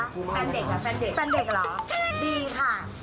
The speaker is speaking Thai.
ทุกวันจันทร์ถึงวันศุกร์